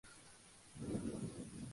Forman la "Congregación de la Inmaculada".